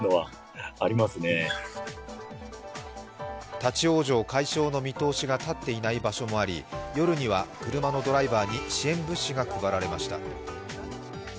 立往生解消の見通しが立っていない場所もあり、夜には車のドライバーに支援物資が届けられました。